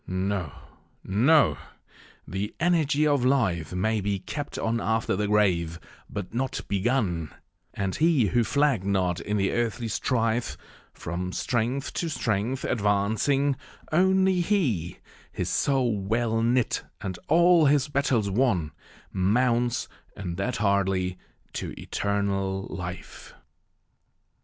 No, no! the energy of life may be Kept on after the grave, but not begun; And he who flagg'd not in the earthly strife, From strength to strength advancing only he, His soul well knit, and all his battles won, Mounts, and that hardly, to eternal life.